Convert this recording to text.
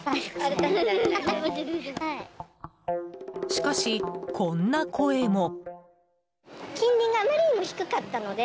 しかし、こんな声も。